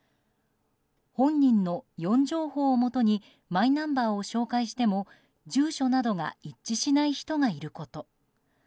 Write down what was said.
本人の４情報をもとにマイナンバーを照会しても住所などが一致しない人がいること。